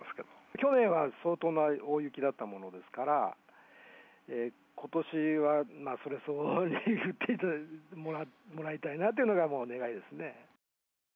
去年は相当な大雪だったものですから、ことしはそれ相応に降ってもらいたいなというのが願いですね。